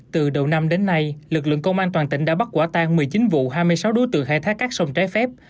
từ đầu năm đến nay lực lượng công an toàn tỉnh đã bắt quả tan một mươi chín vụ hai mươi sáu đối tượng khai thác các sông trái phép